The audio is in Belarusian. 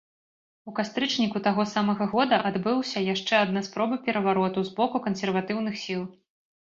У кастрычніку таго самага года адбыўся яшчэ адна спроба перавароту з боку кансерватыўных сіл.